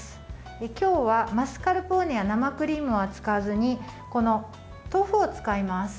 今日は、マスカルポーネや生クリームは使わずにこの豆腐を使います。